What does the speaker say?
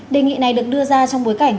đề nghị này được đưa ra trong bối cảnh